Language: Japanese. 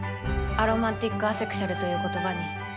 アロマンティック・アセクシュアルという言葉に。